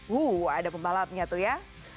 wuh ada pembalapnya tuh ya